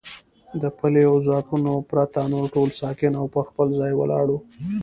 د پلیو ځواکونو پرته نور ټول ساکن او پر خپل ځای ولاړ و.